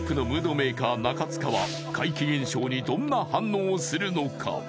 メーカー中務は怪奇現象にどんな反応をするのか？